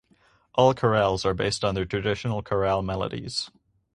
All Chorales are based on their traditional Chorale melodies.